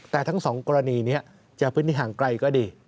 แต่ทั้งสองกรณีนี้จะพื้นที่ห่างไกลก็ดี